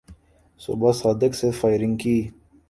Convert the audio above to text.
صبح صادق سے فائرنگ کی